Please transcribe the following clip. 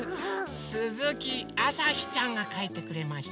すずきあさひちゃんがかいてくれました。